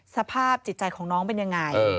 สภาพจิตใจของน้องเป็นยังไง